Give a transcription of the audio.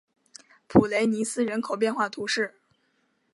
普雷尼斯人口变化图示